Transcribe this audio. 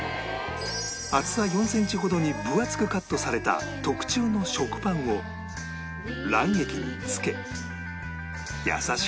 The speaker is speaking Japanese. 厚さ４センチほどに分厚くカットされた特注の食パンを卵液に漬け優しくもみ込んでいく